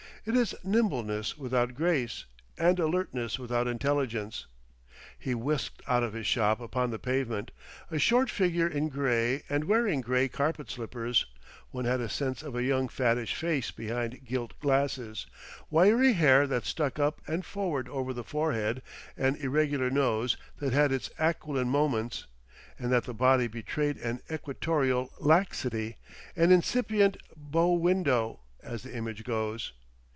It is nimbleness without grace, and alertness without intelligence. He whisked out of his shop upon the pavement, a short figure in grey and wearing grey carpet slippers; one had a sense of a young fattish face behind gilt glasses, wiry hair that stuck up and forward over the forehead, an irregular nose that had its aquiline moments, and that the body betrayed an equatorial laxity, an incipient "bow window" as the image goes.